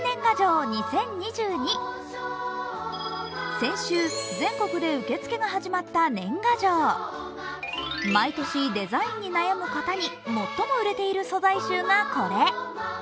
先週、全国で受付が始まった年賀状毎年デザインに悩む方に最も売れている素材集がこれ。